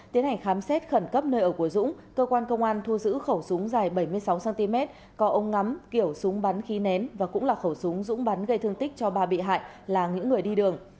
tiến hành khám xét khẩn cấp nơi ở của dũng cơ quan công an thu giữ khẩu súng dài bảy mươi sáu cm có ống ngắm kiểu súng bắn khí nén và cũng là khẩu súng dũng bắn gây thương tích cho ba bị hại là những người đi đường